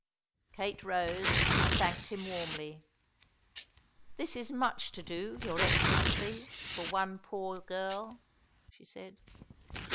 Kate rose and thanked him warmly. "This is much to do, your Excellency, for one poor girl," she said.